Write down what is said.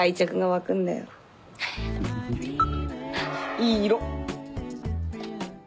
いい色。